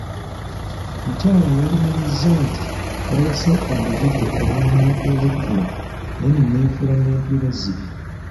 Mukyala yalumiriza nti yalese andagidde omulimu ogwo olweggulo naye ne neefuula nnampulirazzibi.